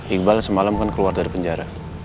iqbal semalam kan keluar dari penjara